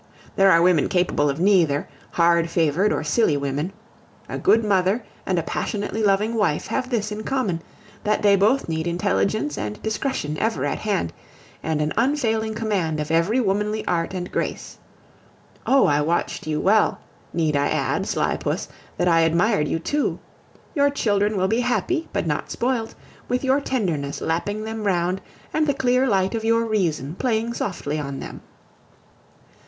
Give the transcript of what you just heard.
There are women capable of neither, hard favored or silly women. A good mother and a passionately loving wife have this in common, that they both need intelligence and discretion ever at hand, and an unfailing command of every womanly art and grace. Oh! I watched you well; need I add, sly puss, that I admired you too! Your children will be happy, but not spoilt, with your tenderness lapping them round and the clear light of your reason playing softly on them.